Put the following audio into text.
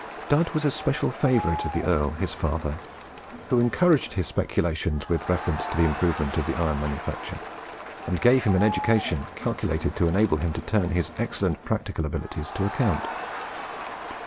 Dud was a special favourite of the Earl his father, who encouraged his speculations with reference to the improvement of the iron manufacture, and gave him an education calculated to enable him to turn his excellent practical abilities to account.